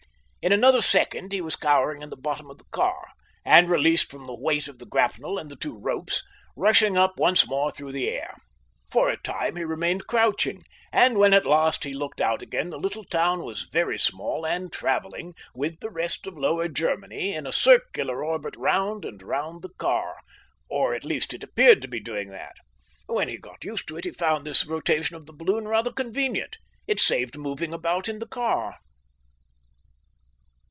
In another second he was cowering in the bottom of the car, and released from the weight of the grapnel and the two ropes, rushing up once more through the air. For a time he remained crouching, and when at last he looked out again the little town was very small and travelling, with the rest of lower Germany, in a circular orbit round and round the car or at least it appeared to be doing that. When he got used to it, he found this rotation of the balloon rather convenient; it saved moving about in the car.